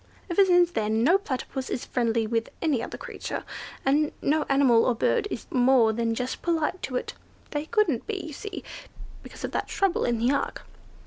Ever since then no Platypus is friendly with any other creature, and no animal or bird is more than just polite to it. They couldn't be, you see, because of that trouble in the ark."